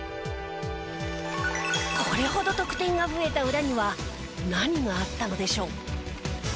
これほど得点が増えた裏には何があったのでしょう？